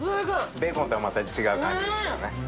ベーコンとはまた違う感じですからね。